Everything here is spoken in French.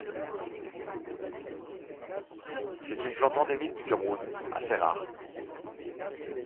C'est une plante endémique du Cameroun, assez rare.